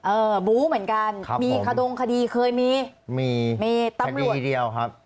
เออบู๋เหมือนกันมีขดงคดีเคยมีตำรวจมีคดีทีเดียวครับ